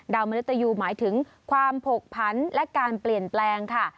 ดาวเมล็ดตะยูหมายถึงความผกพันธุ์และการเปลี่ยนแปลงค่ะ